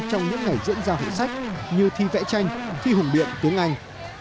trong những ngày diễn ra hội sách như thi vẽ tranh thi hùng điện cuốn ngành